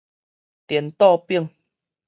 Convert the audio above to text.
顛倒反